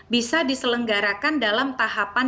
bisa diselenggarakan dalam tahapan